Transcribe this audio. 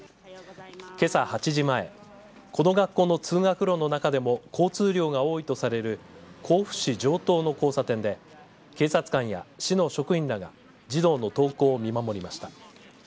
けさ８時前この学校の通学路の中でも交通量が多いとされる甲府市城東の交差点で警察官や市の職員らが児童の登校を見守りました。